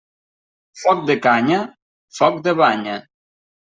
Foc de canya, foc de banya.